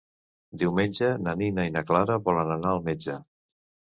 Diumenge na Nina i na Clara volen anar al metge.